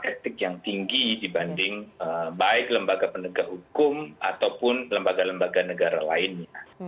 dan itu adalah proses yang tinggi dibanding baik lembaga penegak hukum ataupun lembaga lembaga negara lainnya